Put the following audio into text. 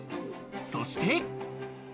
そして。